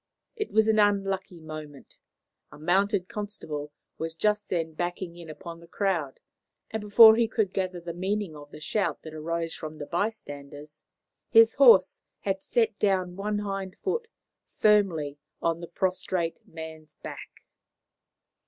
It was an unlucky moment. A mounted constable was just then backing in upon the crowd, and before he could gather the meaning of the shout that arose from the bystanders, his horse had set down one hind hoof firmly on the prostrate man's back.